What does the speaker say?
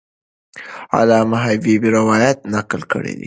علامه حبیبي روایت نقل کړی دی.